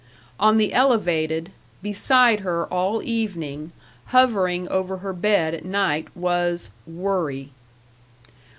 On the Elevated, beside her all evening, hovering over her bed at night, was Worry.